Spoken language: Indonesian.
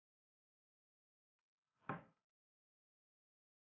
jangan lupa like admission